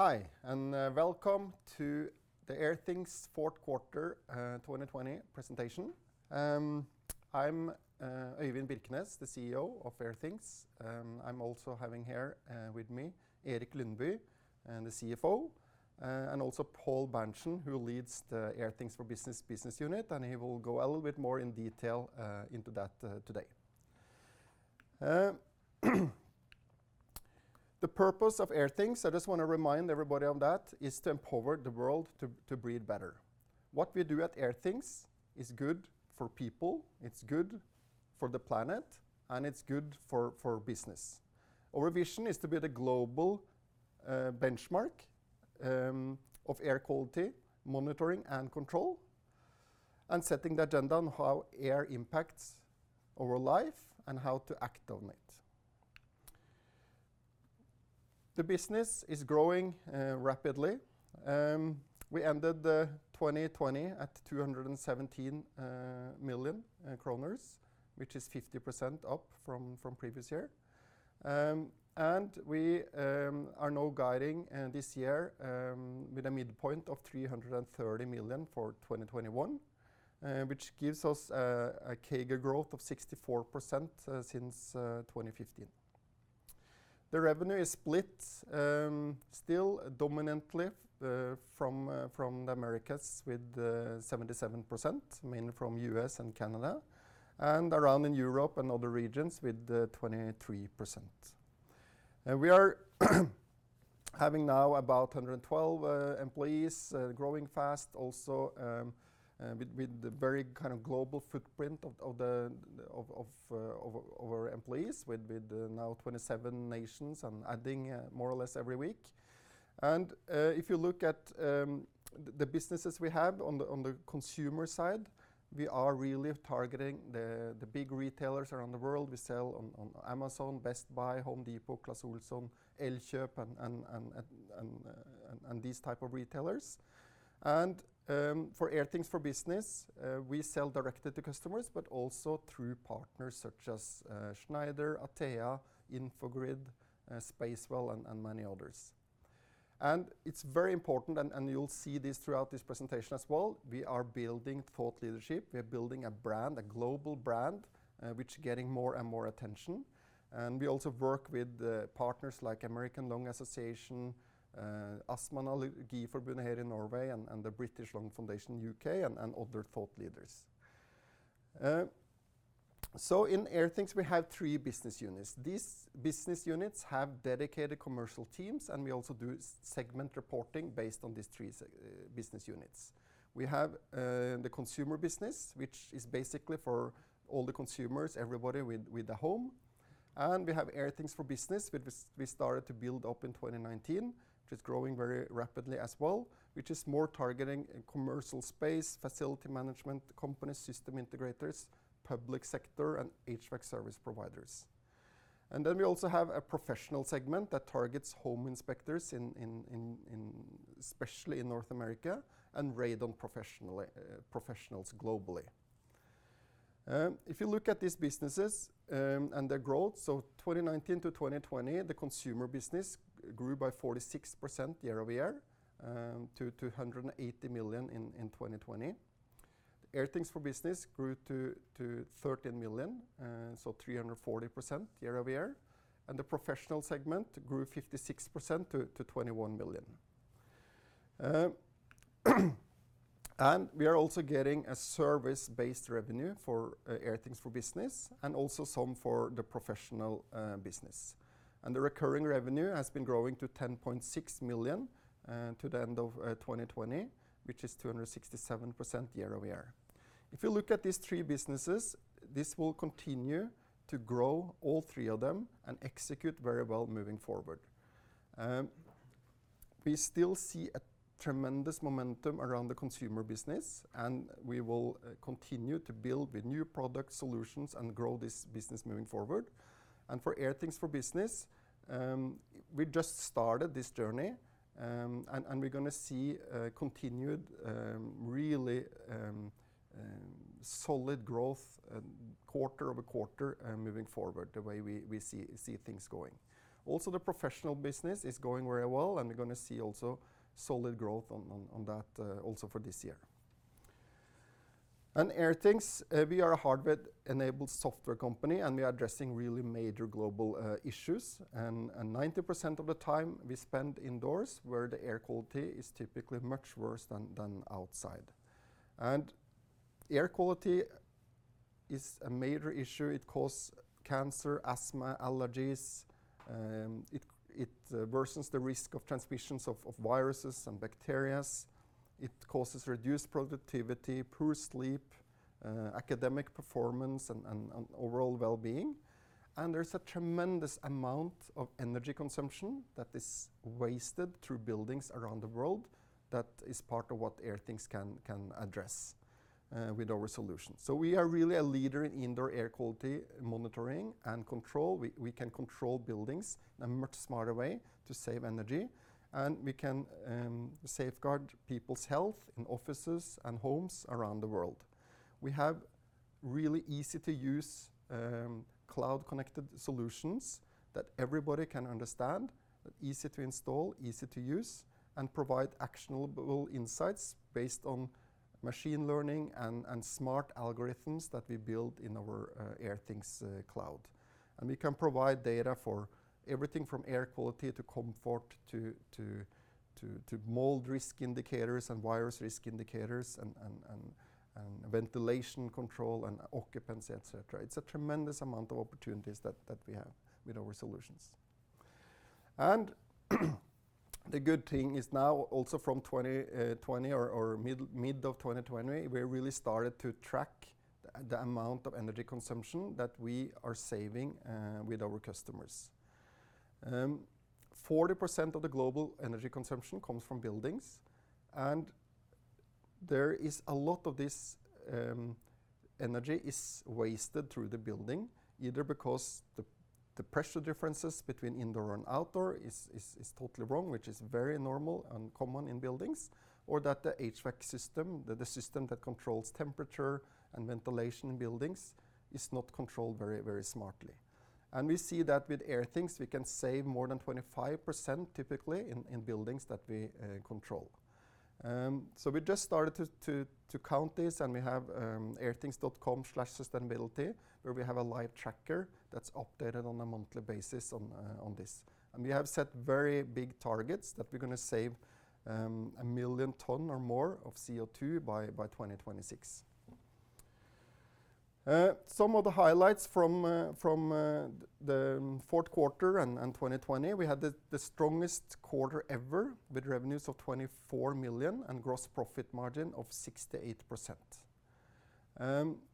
Hi, and welcome to the Airthings Fourth Quarter 2020 Presentation. I'm Øyvind Birkenes, the CEO of Airthings. I also have here with me, Erik Lundby, the CFO, and also Pål Berntsen, who leads the Airthings for Business unit, and he will go a little bit more in detail into that today. The purpose of Airthings, I just want to remind everybody of that, is to empower the world to breathe better. What we do at Airthings is good for people, it's good for the planet, and it's good for business. Our vision is to be the global benchmark of air quality monitoring and control, and setting the agenda on how air impacts our life and how to act on it. The business is growing rapidly. We ended 2020 at 217 million kroner, which is 50% up from previous year. We are now guiding this year with a midpoint of 330 million for 2021, which gives us a CAGR growth of 64% since 2015. The revenue is split still dominantly from the Americas with 77%, mainly from the U.S. and Canada, and around in Europe and other regions with 23%. We are now having about 112 employees, growing fast also with the very kind of global footprint of our employees, with now 27 nations and adding more or less every week. If you look at the businesses we have on the consumer side, we are really targeting the big retailers around the world. We sell on Amazon, Best Buy, Home Depot, Clas Ohlson, Elkjøp, and these type of retailers. For Airthings for Business, we sell directly to customers, but also through partners such as Schneider, Atea, Infogrid, Spacewell, and many others. It's very important, and you'll see this throughout this presentation as well, we are building thought leadership. We are building a brand, a global brand, which is getting more and more attention. We also work with partners like American Lung Association, Astma- og Allergiforbundet here in Norway and the British Lung Foundation in U.K. and other thought leaders. In Airthings, we have three business units. These business units have dedicated commercial teams, and we also do segment reporting based on these three business units. We have the consumer business, which is basically for all the consumers, everybody with a home. We have Airthings for Business, which we started to build up in 2019, which is growing very rapidly as well, which is more targeting commercial space, facility management companies, system integrators, public sector, and HVAC service providers. We also have a professional segment that targets home inspectors, especially in North America, and radon professionals globally. If you look at these businesses and their growth, so 2019-2020, the consumer business grew by 46% year-over-year to 180 million in 2020. Airthings for Business grew to 13 million, so 340% year-over-year. The professional segment grew 56% to NOK 21 million. We are also getting a service-based revenue for Airthings for Business and also some for the professional business. The recurring revenue has been growing to 10.6 million to the end of 2020, which is 267% year-over-year. If you look at these three businesses, this will continue to grow all three of them and execute very well moving forward. We still see a tremendous momentum around the consumer business, and we will continue to build with new product solutions and grow this business moving forward. For Airthings for Business, we just started this journey, and we're going to see a continued really solid growth quarter-over-quarter moving forward, the way we see things going. Also, the professional business is going very well, and we're going to see also solid growth on that also for this year. At Airthings, we are a hardware-enabled software company, and we are addressing really major global issues. 90% of the time we spend indoors where the air quality is typically much worse than outside. Air quality is a major issue. It causes cancer, asthma, allergies. It worsens the risk of transmissions of viruses and bacteria. It causes reduced productivity, poor sleep, academic performance, and overall wellbeing. There's a tremendous amount of energy consumption that is wasted through buildings around the world. That is part of what Airthings can address with our solution. We are really a leader in indoor air quality monitoring and control. We can control buildings in a much smarter way to save energy, and we can safeguard people's health in offices and homes around the world. Really easy to use cloud-connected solutions that everybody can understand, that are easy to install, easy to use, and provide actionable insights based on machine learning and smart algorithms that we build in our Airthings cloud. We can provide data for everything from air quality to comfort to mold risk indicators and Virus Risk Indicators and ventilation control and occupancy, et cetera. It's a tremendous amount of opportunities that we have with our solutions. The good thing is now also from 2020 or mid of 2020, we really started to track the amount of energy consumption that we are saving with our customers. 40% of the global energy consumption comes from buildings, a lot of this energy is wasted through the building, either because the pressure differences between indoor and outdoor is totally wrong, which is very normal and common in buildings, or that the HVAC system, the system that controls temperature and ventilation in buildings, is not controlled very smartly. We see that with Airthings, we can save more than 25% typically in buildings that we control. We just started to count this, we have airthings.com/sustainability, where we have a live tracker that's updated on a monthly basis on this. We have set very big targets that we're going to save a million ton or more of CO2 by 2026. Some of the highlights from the fourth quarter and 2020, we had the strongest quarter ever with revenues of 24 million and gross profit margin of 68%.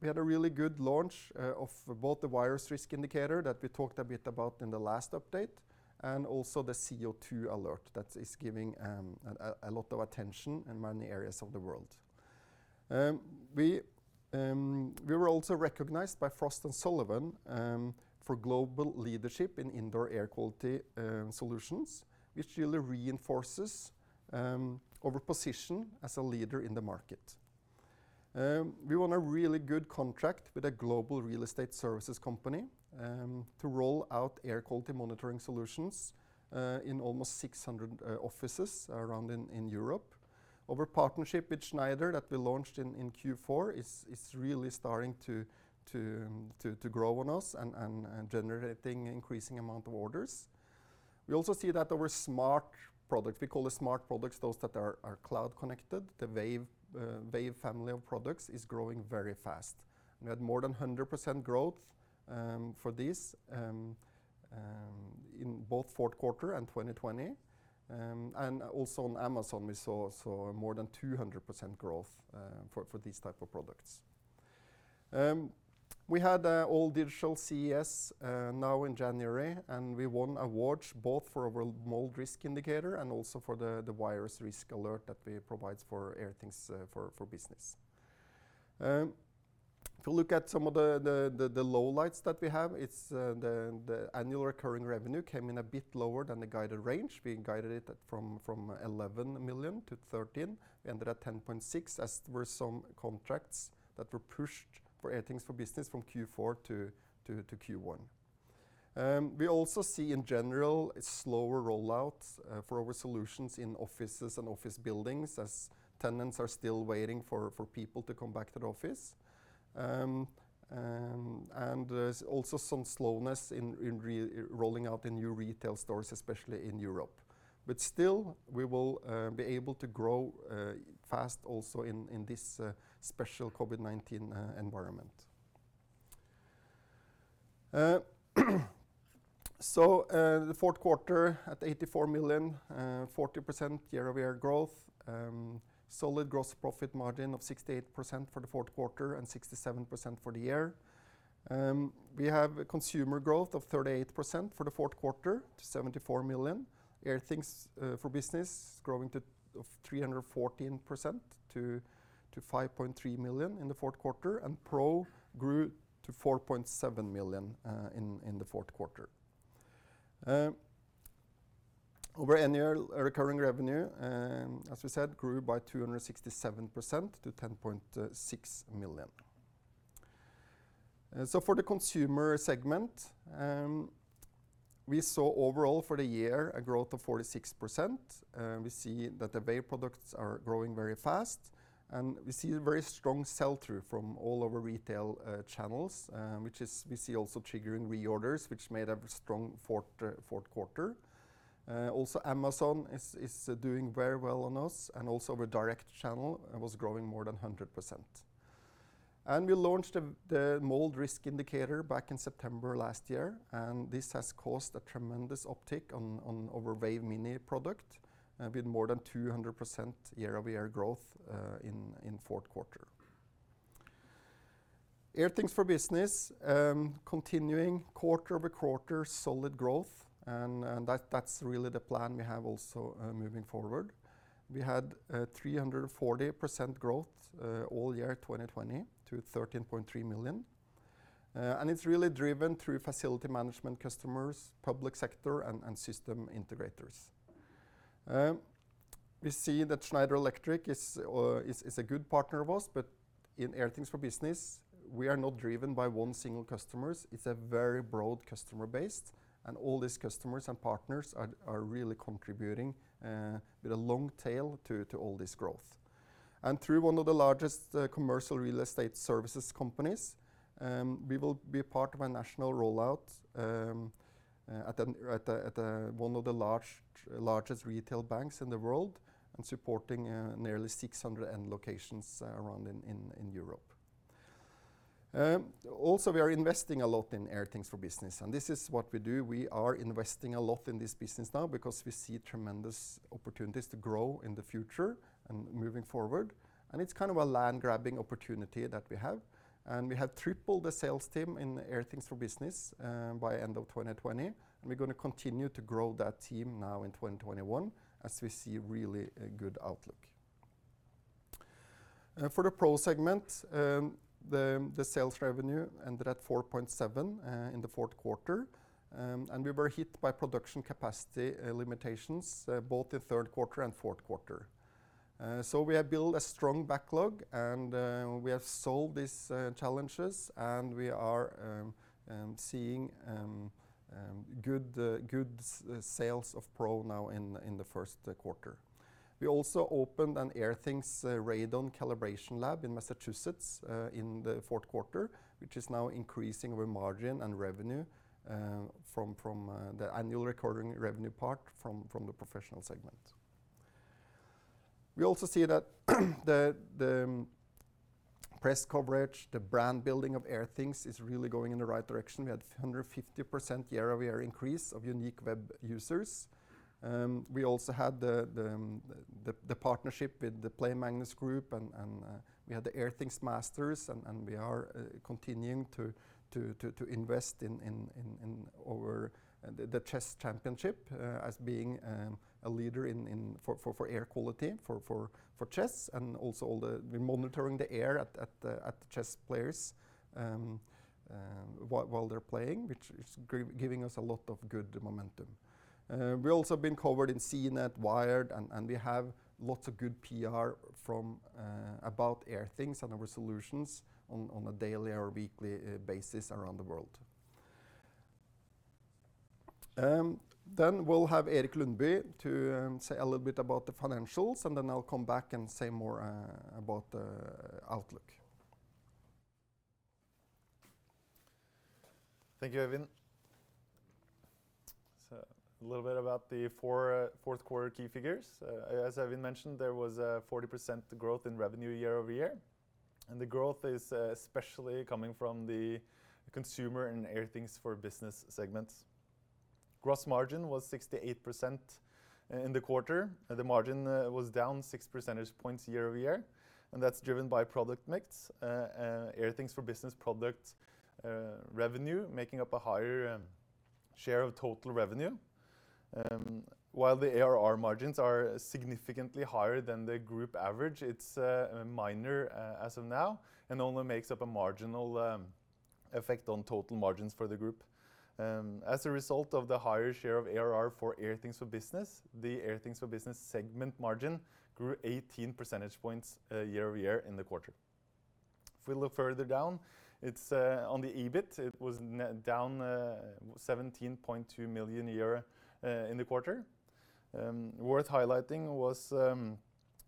We had a really good launch of both the Virus Risk Indicator that we talked a bit about in the last update and also the CO2 alert that is giving a lot of attention in many areas of the world. We were also recognized by Frost & Sullivan for global leadership in indoor air quality solutions, which really reinforces our position as a leader in the market. We won a really good contract with a global real estate services company to roll out air quality monitoring solutions in almost 600 offices around in Europe. Our partnership with Schneider that we launched in Q4 is really starting to grow on us and generating increasing amount of orders. We also see that our smart product, we call it smart products, those that are cloud connected, the Wave family of products, is growing very fast. We had more than 100% growth for this in both fourth quarter and 2020. Also on Amazon, we saw more than 200% growth for these type of products. We had all digital CES now in January, and we won awards both for our mold risk indicator and also for the Virus Risk Indicator that we provide for Airthings for Business. If you look at some of the lowlights that we have, it's the annual recurring revenue came in a bit lower than the guided range. We guided it from 11 million-13 million. We ended at 10.6 million, as there were some contracts that were pushed for Airthings for Business from Q4-Q1. We also see, in general, slower rollouts for our solutions in offices and office buildings as tenants are still waiting for people to come back to the office. There's also some slowness in rolling out in new retail stores, especially in Europe. Still, we will be able to grow fast also in this special COVID-19 environment. The fourth quarter at 84 million, 40% year-over-year growth. Solid gross profit margin of 68% for the fourth quarter and 67% for the year. We have consumer growth of 38% for the fourth quarter to 74 million. Airthings for Business growing to 314% to 5.3 million in the fourth quarter, and Pro grew to 4.7 million in the fourth quarter. Our annual recurring revenue, as we said, grew by 267% to 10.6 million. For the consumer segment, we saw overall for the year a growth of 46%. We see that the Wave products are growing very fast, and we see a very strong sell-through from all our retail channels, which we see also triggering reorders, which made a strong fourth quarter. Also, Amazon is doing very well on us, and also our direct channel was growing more than 100%. We launched the mold risk indicator back in September last year, and this has caused a tremendous uptick on our Wave Mini product, with more than 200% year-over-year growth in fourth quarter. Airthings for Business, continuing quarter-over-quarter solid growth, and that's really the plan we have also moving forward. We had 340% growth all year 2020 to 13.3 million. It's really driven through facility management customers, public sector, and system integrators. We see that Schneider Electric is a good partner of us, but in Airthings for Business, we are not driven by one single customer. It's a very broad customer base, all these customers and partners are really contributing with a long tail to all this growth. Through one of the largest commercial real estate services companies, we will be a part of a national rollout at one of the largest retail banks in the world, supporting nearly 600 end locations around in Europe. Also, we are investing a lot in Airthings for Business, and this is what we do. We are investing a lot in this business now because we see tremendous opportunities to grow in the future and moving forward, and it's a land-grabbing opportunity that we have. We have tripled the sales team in Airthings for Business by end of 2020, and we're going to continue to grow that team now in 2021 as we see really a good outlook. For the Pro segment, the sales revenue ended at 4.7 million in the fourth quarter. We were hit by production capacity limitations both the third quarter and fourth quarter. We have built a strong backlog. We have solved these challenges. We are seeing good sales of Pro now in the first quarter. We also opened an Airthings Radon calibration lab in Massachusetts in the fourth quarter, which is now increasing our margin and revenue from the annual recurring revenue part from the professional segment. We also see that the press coverage, the brand building of Airthings is really going in the right direction. We had 150% year-over-year increase of unique web users. We also had the partnership with the Play Magnus Group, and we had the Airthings Masters, and we are continuing to invest in the chess championship as being a leader for air quality for chess, and also we're monitoring the air at the chess players while they're playing, which is giving us a lot of good momentum. We've also been covered in CNET, Wired, and we have lots of good PR about Airthings and our solutions on a daily or weekly basis around the world. We'll have Erik Lundby to say a little bit about the financials, and then I'll come back and say more about the outlook. Thank you, Øyvind. A little bit about the fourth quarter key figures. As Øyvind mentioned, there was a 40% growth in revenue year-over-year, and the growth is especially coming from the Consumer and Airthings for Business segments. Gross margin was 68% in the quarter. The margin was down 6 percentage points year-over-year, and that's driven by product mix, Airthings for Business product revenue making up a higher share of total revenue. While the ARR margins are significantly higher than the group average, it's minor as of now and only makes up a marginal effect on total margins for the group. As a result of the higher share of ARR for Airthings for Business, the Airthings for Business segment margin grew 18 percentage points year-over-year in the quarter. Further down, on the EBIT, it was down 17.2 million euro in the quarter. Worth highlighting was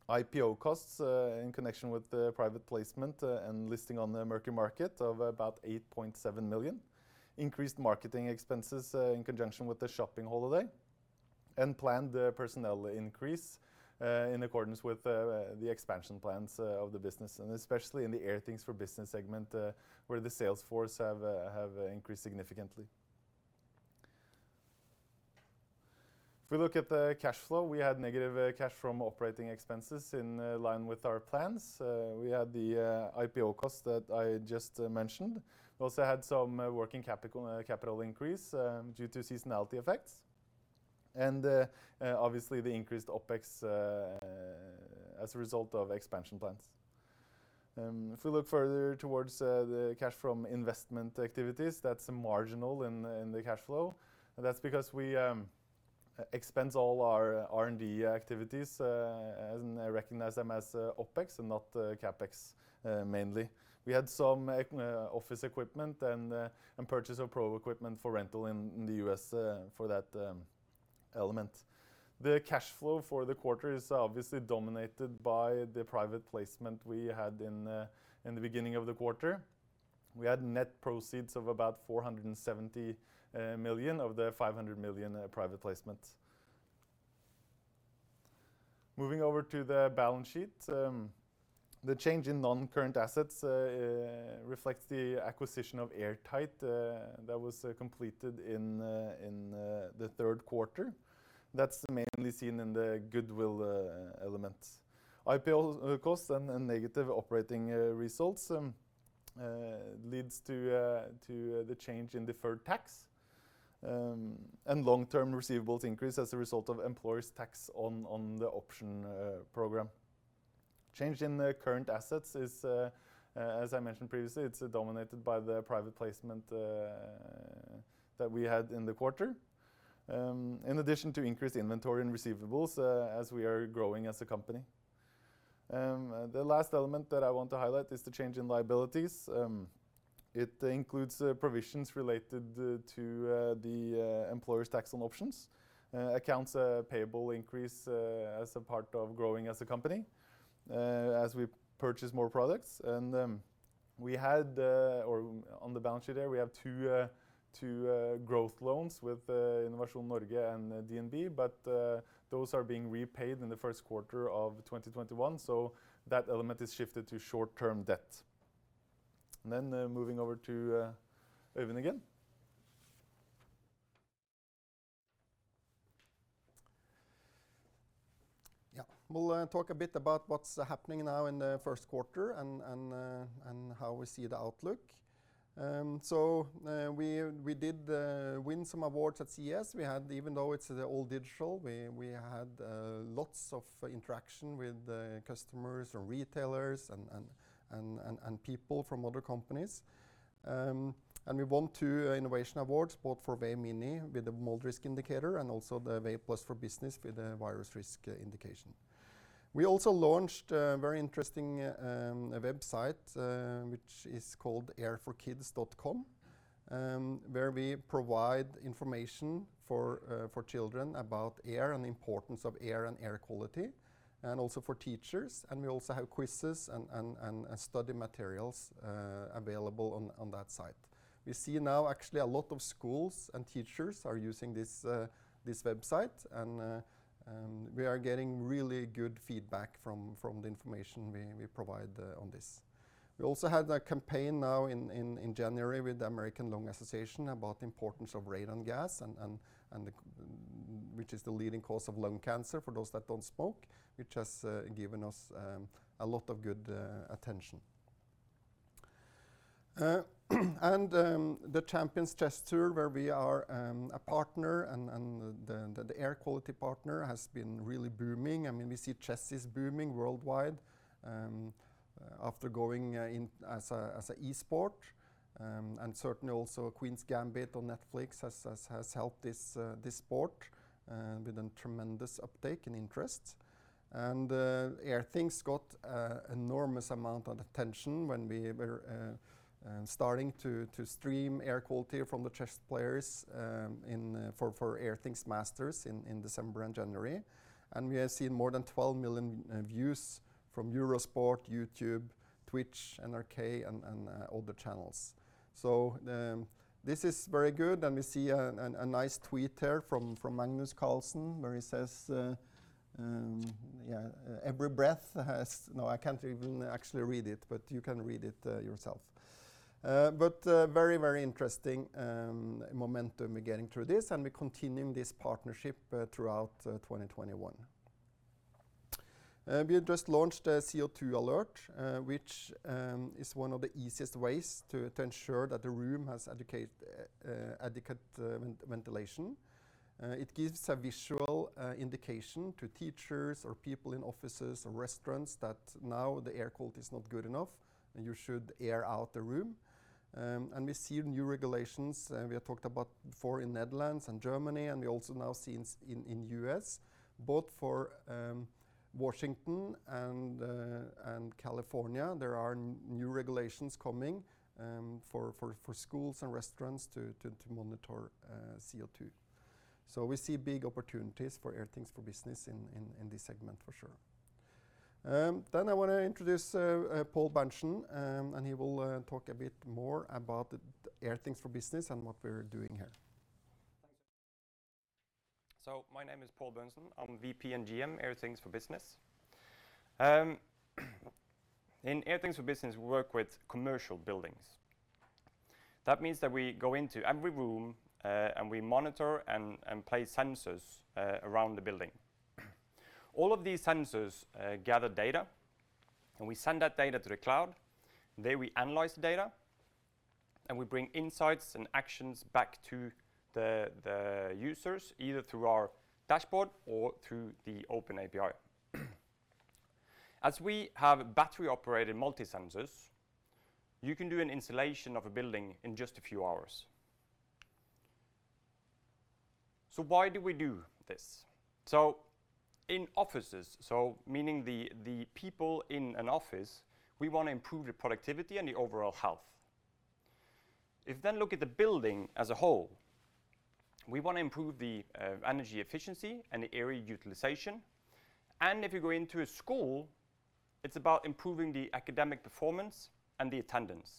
IPO costs in connection with the private placement and listing on the Merkur Market of about 8.7 million, increased marketing expenses in conjunction with the shopping holiday, and planned personnel increase in accordance with the expansion plans of the business, and especially in the Airthings for Business segment, where the sales force have increased significantly. At the cash flow, we had negative cash from operating expenses in line with our plans. We had the IPO cost that I just mentioned. We also had some working capital increase due to seasonality effects and obviously the increased OpEx as a result of expansion plans. Further towards the cash from investment activities, that's marginal in the cash flow. That's because we expense all our R&D activities and recognize them as OpEx and not CapEx, mainly. We had some office equipment and purchase of Pro equipment for rental in the U.S. for that element. The cash flow for the quarter is obviously dominated by the private placement we had in the beginning of the quarter. We had net proceeds of about 470 million of the 500 million private placement. Moving over to the balance sheet. The change in non-current assets reflects the acquisition of Airtight that was completed in the third quarter. That's mainly seen in the goodwill element. IPO costs and negative operating results leads to the change in deferred tax, and long-term receivables increase as a result of employers' tax on the option program. Change in the current assets is, as I mentioned previously, dominated by the private placement that we had in the quarter. In addition to increased inventory and receivables, as we are growing as a company. The last element that I want to highlight is the change in liabilities. It includes provisions related to the employer's tax on options, accounts payable increase as a part of growing as a company, as we purchase more products. On the balance sheet there, we have two growth loans with Innovasjon Norge and DNB, but those are being repaid in the first quarter of 2021, so that element is shifted to short-term debt. Moving over to Øyvind again. Yeah. We'll talk a bit about what's happening now in the first quarter and how we see the outlook. We did win some awards at CES. Even though it's all digital, we had lots of interaction with customers and retailers and people from other companies. We won two innovation awards, both for Wave Mini with the mold risk indicator and also the Wave Plus for Business with the Virus Risk Indicator. We also launched a very interesting website, which is called airforkids.com, where we provide information for children about air and the importance of air and air quality, and also for teachers, and we also have quizzes and study materials available on that site. We see now actually a lot of schools and teachers are using this website, and we are getting really good feedback from the information we provide on this. We also had a campaign now in January with the American Lung Association about the importance of radon gas, which is the leading cause of lung cancer for those that don't smoke, which has given us a lot of good attention. The Champions Chess Tour, where we are a partner, and the air quality partner, has been really booming. We see chess is booming worldwide, after going as an esport, and certainly also Queen's Gambit on Netflix has helped this sport with a tremendous uptake in interest. Airthings got enormous amount of attention when we were starting to stream air quality from the chess players for Airthings Masters in December and January. We have seen more than 12 million views from Eurosport, YouTube, Twitch, NRK, and other channels. This is very good, and we see a nice tweet here from Magnus Carlsen where he says, "Every breath has" No, I can't even actually read it, but you can read it yourself. Very interesting momentum we're getting through this, and we're continuing this partnership throughout 2021. We just launched a CO2 alert, which is one of the easiest ways to ensure that the room has adequate ventilation. It gives a visual indication to teachers or people in offices or restaurants that now the air quality is not good enough, and you should air out the room. We see new regulations, we have talked about before in Netherlands and Germany, and we also now see in U.S., both for Washington and California, there are new regulations coming for schools and restaurants to monitor CO2. We see big opportunities for Airthings for Business in this segment for sure. I want to introduce Pål Berntsen, and he will talk a bit more about Airthings for Business and what we're doing here. My name is Pål Berntsen. I'm VP and GM, Airthings for Business. In Airthings for Business, we work with commercial buildings. That means that we go into every room, and we monitor and place sensors around the building. All of these sensors gather data, and we send that data to the cloud. There, we analyze the data, and we bring insights and actions back to the users, either through our dashboard or through the open API. As we have battery-operated multi-sensors, you can do an installation of a building in just a few hours. Why do we do this? In offices, meaning the people in an office, we want to improve the productivity and the overall health. If you look at the building as a whole, we want to improve the energy efficiency and the area utilization. If you go into a school, it's about improving the academic performance and the attendance.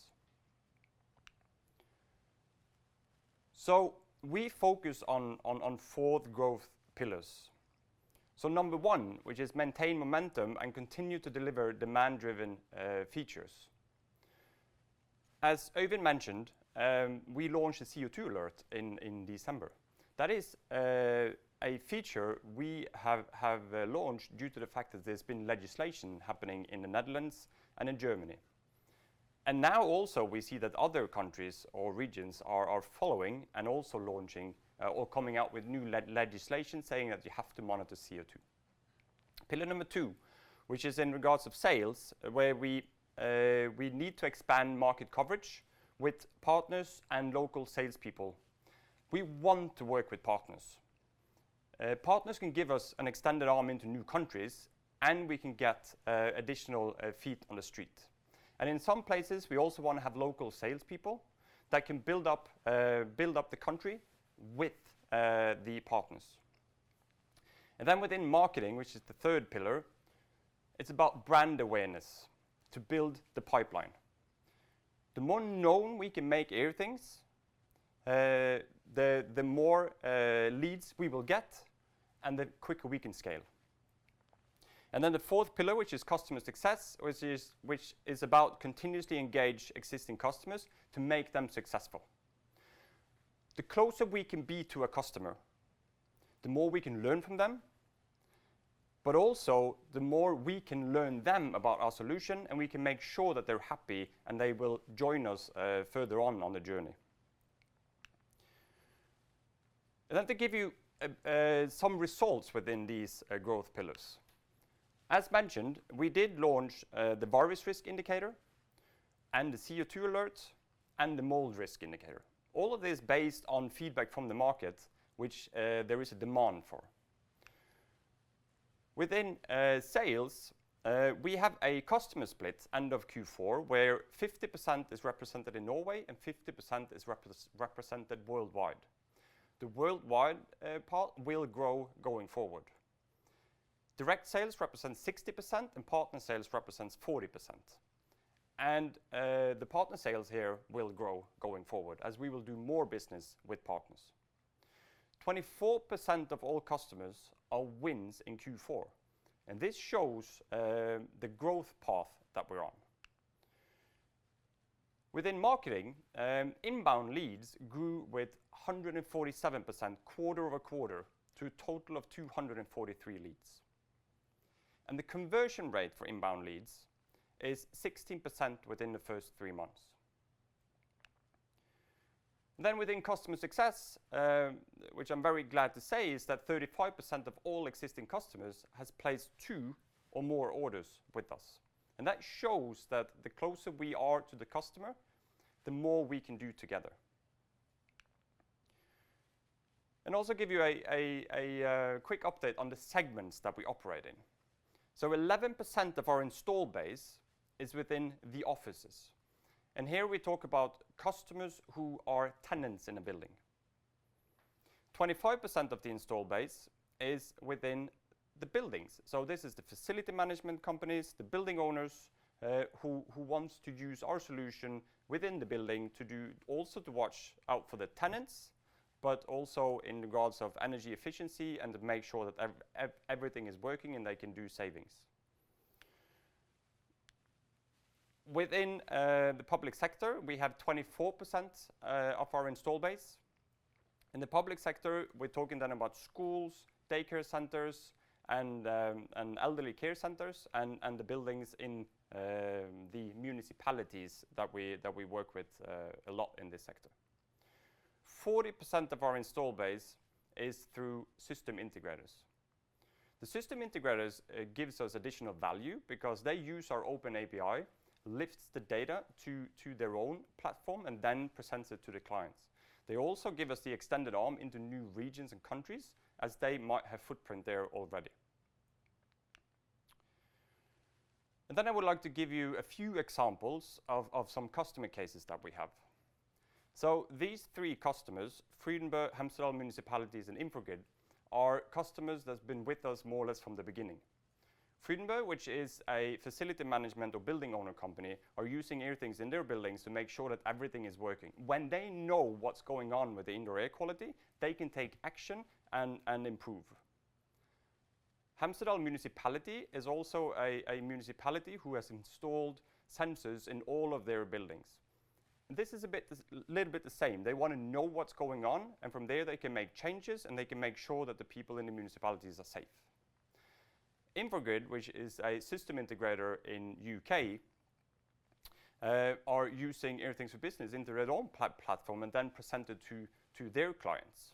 We focus on four growth pillars. Number one, which is maintain momentum and continue to deliver demand-driven features. As Øyvind mentioned, we launched a CO2 alert in December. That is a feature we have launched due to the fact that there's been legislation happening in the Netherlands and in Germany. Now also we see that other countries or regions are following and also launching or coming out with new legislation saying that you have to monitor CO2. Pillar number two, which is in regards of sales, where we need to expand market coverage with partners and local salespeople. We want to work with partners. Partners can give us an extended arm into new countries, and we can get additional feet on the street. In some places, we also want to have local salespeople that can build up the country with the partners. Within marketing, which is the third pillar, it's about brand awareness to build the pipeline. The more known we can make Airthings, the more leads we will get and the quicker we can scale. The fourth pillar, which is customer success, which is about continuously engage existing customers to make them successful. The closer we can be to a customer, the more we can learn from them, but also the more we can learn them about our solution, and we can make sure that they're happy and they will join us further on the journey. To give you some results within these growth pillars. As mentioned, we did launch the Virus Risk Indicator and the CO2 alert and the mold risk indicator. All of this based on feedback from the market, which there is a demand for. Within sales, we have a customer split end of Q4, where 50% is represented in Norway and 50% is represented worldwide. The worldwide part will grow going forward. Direct sales represents 60%. Partner sales represents 40%. The partner sales here will grow going forward as we will do more business with partners. 24% of all customers are wins in Q4. This shows the growth path that we're on. Within marketing, inbound leads grew with 147% quarter-over-quarter to a total of 243 leads. The conversion rate for inbound leads is 16% within the first three months. Within customer success, which I'm very glad to say, is that 35% of all existing customers has placed two or more orders with us. That shows that the closer we are to the customer, the more we can do together. Also give you a quick update on the segments that we operate in. 11% of our install base is within the offices. Here we talk about customers who are tenants in a building. 25% of the install base is within the buildings. This is the facility management companies, the building owners, who wants to use our solution within the building also to watch out for the tenants, also in regards of energy efficiency to make sure that everything is working and they can do savings. Within the public sector, we have 24% of our install base. In the public sector, we're talking about schools, daycare centers, and elderly care centers and the buildings in the municipalities that we work with a lot in this sector. 40% of our install base is through system integrators. The system integrators gives us additional value because they use our open API, lifts the data to their own platform, and presents it to the clients. They also give us the extended arm into new regions and countries as they might have footprint there already. I would like to give you a few examples of some customer cases that we have. These three customers, Frydenbø, Hemsedal Municipality, and Infogrid, are customers that's been with us more or less from the beginning. Frydenbø, which is a facility management or building owner company, are using Airthings in their buildings to make sure that everything is working. When they know what's going on with the indoor air quality, they can take action and improve. Hemsedal Municipality is also a municipality who has installed sensors in all of their buildings, and this is a little bit the same. They want to know what's going on, and from there they can make changes and they can make sure that the people in the municipalities are safe. Infogrid, which is a system integrator in U.K., are using Airthings for Business into their own platform and then present it to their clients.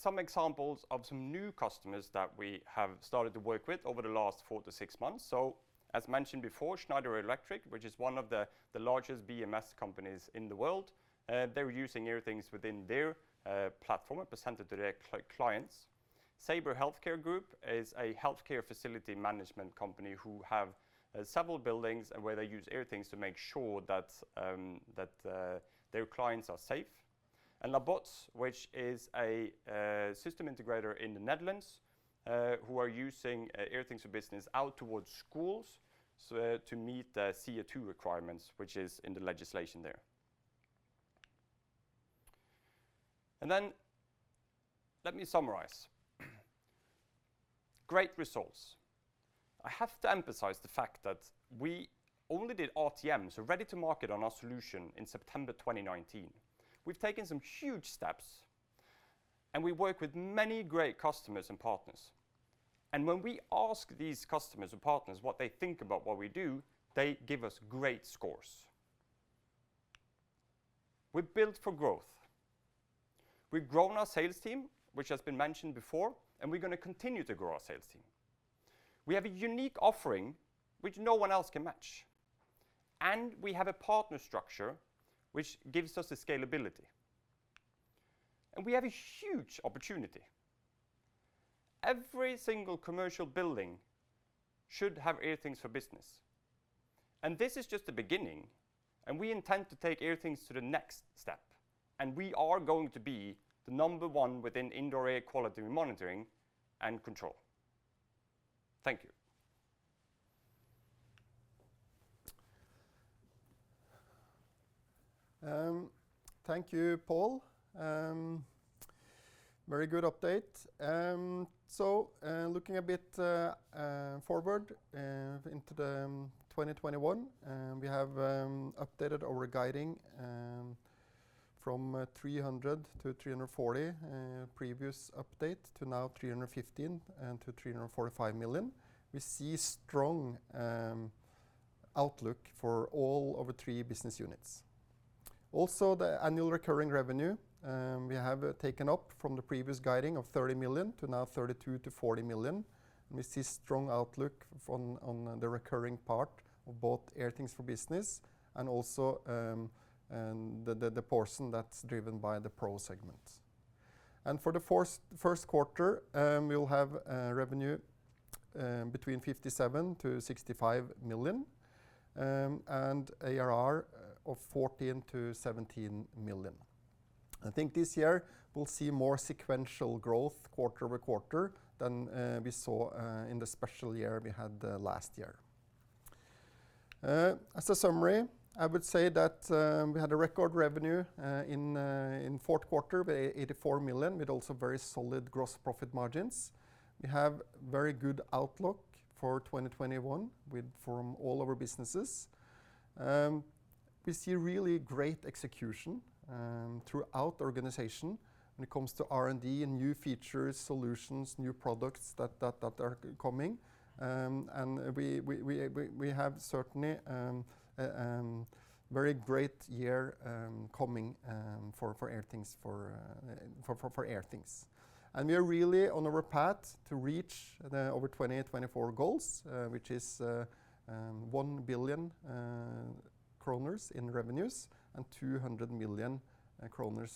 Some examples of some new customers that we have started to work with over the last four-six months. As mentioned before, Schneider Electric, which is one of the largest BMS companies in the world, they're using Airthings within their platform and present it to their clients. Saber Healthcare Group is a healthcare facility management company who have several buildings where they use Airthings to make sure that their clients are safe. Labots, which is a system integrator in the Netherlands, who are using Airthings for Business out towards schools so to meet the CO2 requirements, which is in the legislation there. Let me summarize. Great results. I have to emphasize the fact that we only did RTM, so ready to market, on our solution in September 2019. We've taken some huge steps. We work with many great customers and partners. When we ask these customers and partners what they think about what we do, they give us great scores. We're built for growth. We've grown our sales team, which has been mentioned before, and we're going to continue to grow our sales team. We have a unique offering which no one else can match. We have a partner structure which gives us the scalability. We have a huge opportunity. Every single commercial building should have Airthings for Business, and this is just the beginning, and we intend to take Airthings to the next step, and we are going to be the number one within indoor air quality monitoring and control. Thank you. Thank you, Pål. Very good update. Looking a bit forward into 2021, we have updated our guiding from 300 million-340 million previous update, to now 315 million-345 million. We see strong outlook for all our three business units. The annual recurring revenue we have taken up from the previous guiding of 30 million to now 32 million-40 million. We see strong outlook on the recurring part of both Airthings for Business and also the portion that's driven by the Pro segments. For the first quarter, we'll have revenue between 57 million-65 million, and ARR of 14 million-17 million. I think this year we'll see more sequential growth quarter-over-quarter than we saw in the special year we had last year. As a summary, I would say that we had a record revenue in fourth quarter by 84 million, with also very solid gross profit margins. We have very good outlook for 2021 from all our businesses. We see really great execution throughout the organization when it comes to R&D and new features, solutions, new products that are coming. We have certainly a very great year coming for Airthings. We are really on our path to reach our 2024 goals, which is 1 billion kroner in revenues and 200 million kroner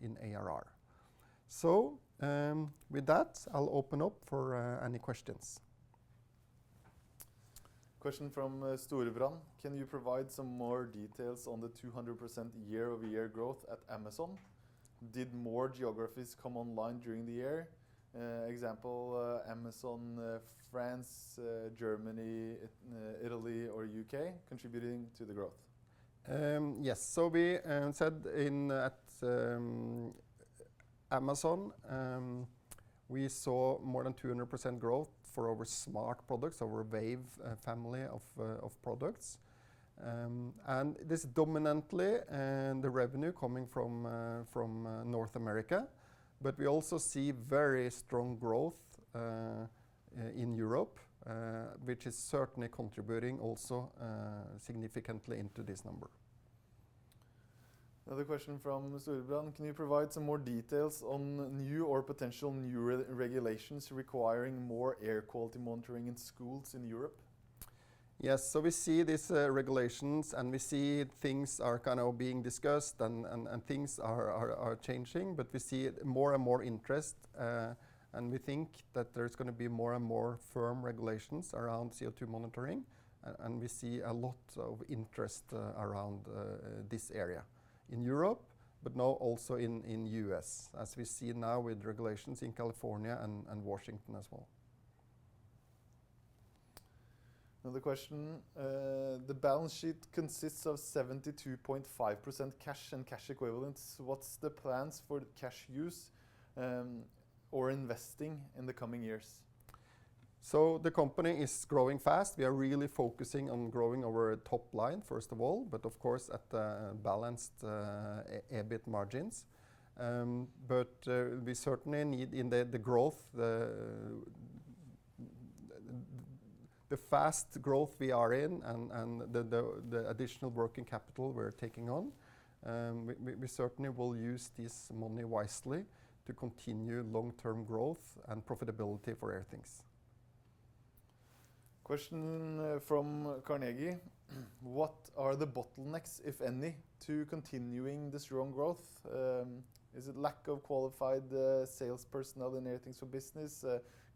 in ARR. With that, I'll open up for any questions. Question from Storebrand. Can you provide some more details on the 200% year-over-year growth at Amazon? Did more geographies come online during the year? Example, Amazon France, Germany, Italy, or U.K. contributing to the growth? Yes. We said at Amazon, we saw more than 200% growth for our smart products, our Wave family of products. This is dominantly the revenue coming from North America, but we also see very strong growth in Europe, which is certainly contributing also significantly into this number. Another question from Storebrand. Can you provide some more details on new or potential new regulations requiring more air quality monitoring in schools in Europe? Yes. We see these regulations, and we see things are being discussed and things are changing, but we see more and more interest, and we think that there's going to be more and more firm regulations around CO2 monitoring. We see a lot of interest around this area in Europe, but now also in U.S., as we see now with regulations in California and Washington as well. Another question. The balance sheet consists of 72.5% cash and cash equivalents. What's the plans for the cash use or investing in the coming years? The company is growing fast. We are really focusing on growing our top line, first of all, but of course, at the balanced EBIT margins. We certainly need in the growth, the fast growth we are in and the additional working capital we're taking on, we certainly will use this money wisely to continue long-term growth and profitability for Airthings. Question from Carnegie. What are the bottlenecks, if any, to continuing the strong growth? Is it lack of qualified sales personnel in Airthings for Business,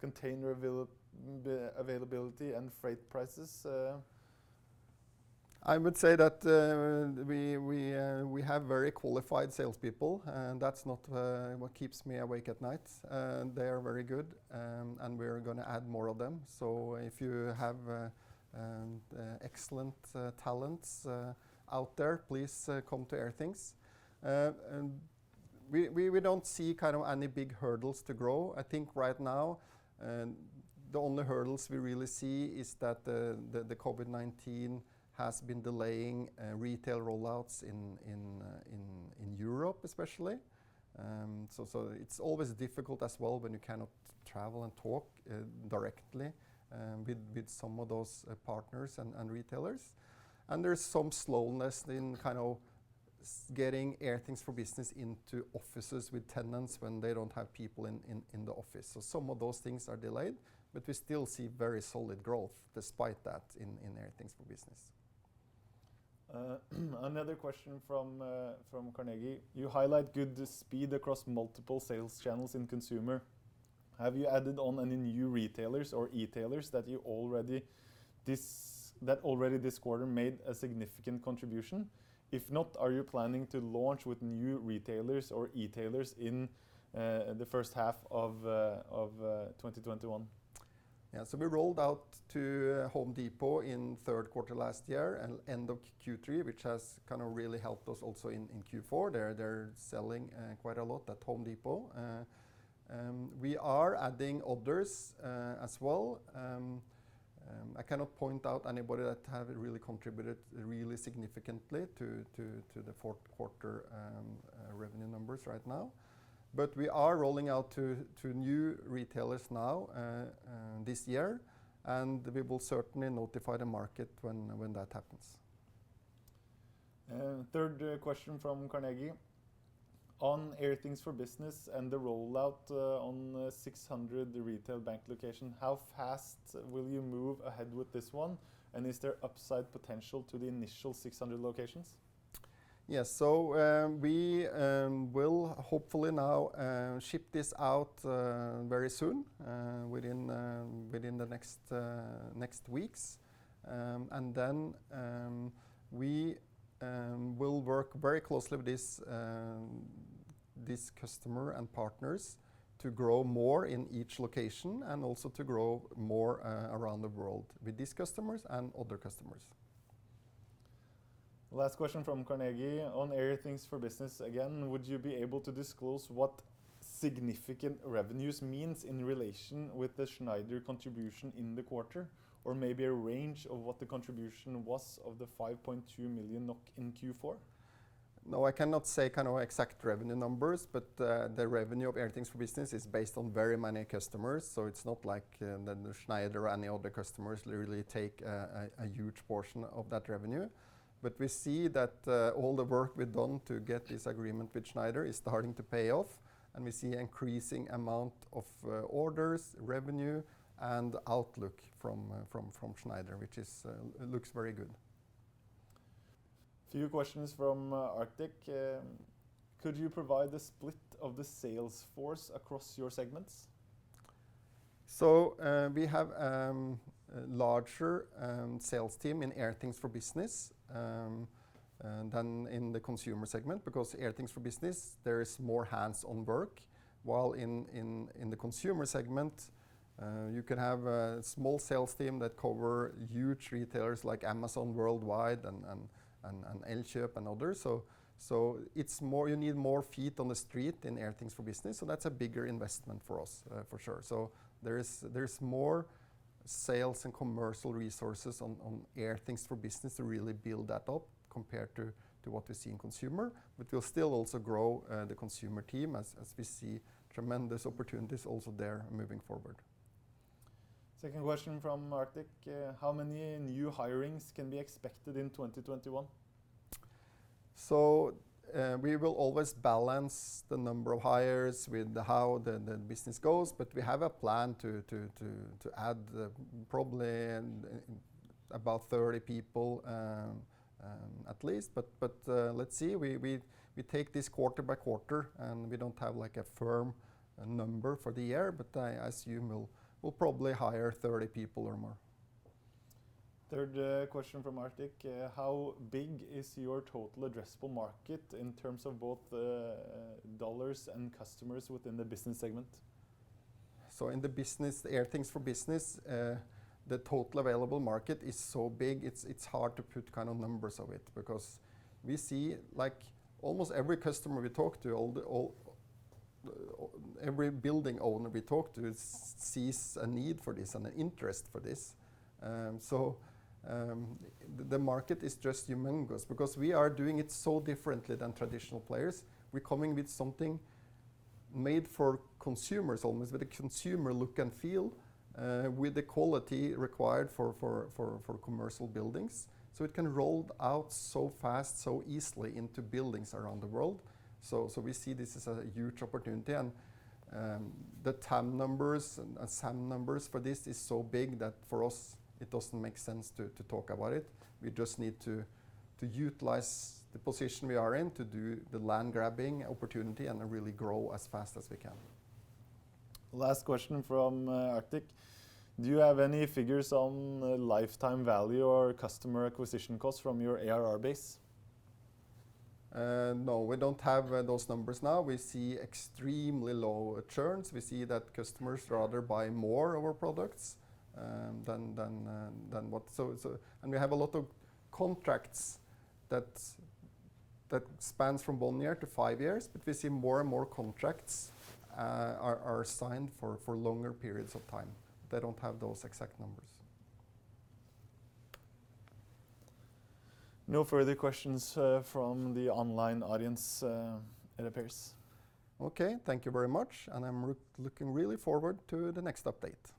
container availability, and freight prices? I would say that we have very qualified salespeople, and that's not what keeps me awake at night. They are very good, and we are going to add more of them. If you have excellent talents out there, please come to Airthings. We don't see any big hurdles to grow. I think right now, the only hurdles we really see is that the COVID-19 has been delaying retail rollouts in Europe, especially. It's always difficult as well when you cannot travel and talk directly with some of those partners and retailers. There's some slowness in getting Airthings for Business into offices with tenants when they don't have people in the office. Some of those things are delayed, but we still see very solid growth despite that in Airthings for Business. Another question from Carnegie. You highlight good speed across multiple sales channels in consumer. Have you added on any new retailers or e-tailers that already this quarter made a significant contribution? If not, are you planning to launch with new retailers or e-tailers in the first half of 2021? We rolled out to Home Depot in third quarter last year and end of Q3, which has really helped us also in Q4. They're selling quite a lot at Home Depot. We are adding others as well. I cannot point out anybody that have really contributed really significantly to the fourth quarter revenue numbers right now. We are rolling out to new retailers now this year, and we will certainly notify the market when that happens. Third question from Carnegie. On Airthings for Business and the rollout on 600 retail bank location, how fast will you move ahead with this one? Is there upside potential to the initial 600 locations? Yes. We will hopefully now ship this out very soon, within the next weeks. We will work very closely with this customer and partners to grow more in each location and also to grow more around the world with these customers and other customers. Last question from Carnegie. On Airthings for Business again, would you be able to disclose what significant revenues means in relation with the Schneider contribution in the quarter, maybe a range of what the contribution was of the 5.2 million NOK in Q4? I cannot say exact revenue numbers, but the revenue of Airthings for Business is based on very many customers. It's not like the Schneider or any other customers literally take a huge portion of that revenue. We see that all the work we've done to get this agreement with Schneider is starting to pay off, and we see increasing amount of orders, revenue, and outlook from Schneider, which looks very good. Few questions from Arctic. Could you provide the split of the sales force across your segments? We have larger sales team in Airthings for Business than in the consumer segment because Airthings for Business, there is more hands-on work. While in the consumer segment, you can have a small sales team that cover huge retailers like Amazon worldwide and Elkjøp and others. You need more feet on the street in Airthings for Business, so that's a bigger investment for us, for sure. There's more sales and commercial resources on Airthings for Business to really build that up compared to what we see in consumer. We'll still also grow the consumer team as we see tremendous opportunities also there moving forward. Second question from Arctic. How many new hirings can be expected in 2021? We will always balance the number of hires with how the business goes, but we have a plan to add probably about 30 people at least. Let's see. We take this quarter-by-quarter, and we don't have a firm number for the year, but I assume we'll probably hire 30 people or more. Third question from Arctic. How big is your total addressable market in terms of both dollars and customers within the business segment? In the Airthings for Business the total available market is so big, it is hard to put numbers of it because we see almost every customer we talk to, every building owner we talk to sees a need for this and an interest for this. The market is just humongous because we are doing it so differently than traditional players. We are coming with something made for consumers almost, with a consumer look and feel, with the quality required for commercial buildings. It can roll out so fast, so easily into buildings around the world. We see this as a huge opportunity, and the TAM numbers and SAM numbers for this is so big that for us, it does not make sense to talk about it. We just need to utilize the position we are in to do the land grabbing opportunity and really grow as fast as we can. Last question from Arctic. Do you have any figures on lifetime value or customer acquisition costs from your ARR base? No. We don't have those numbers now. We see extremely low churns. We see that customers rather buy more of our products. We have a lot of contracts that spans from one year to five years, but we see more and more contracts are signed for longer periods of time. I don't have those exact numbers. No further questions from the online audience it appears. Okay. Thank you very much. I'm looking really forward to the next update.